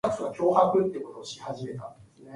In that essay, he wrote A long poem does not exist.